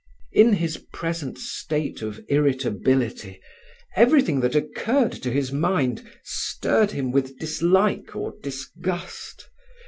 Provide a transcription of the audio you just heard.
In his present state of irritability everything that occurred to his mind stirred him with dislike or disgust.